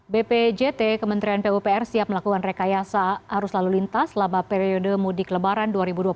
bpjt kementerian pupr siap melakukan rekayasa arus lalu lintas selama periode mudik lebaran dua ribu dua puluh tiga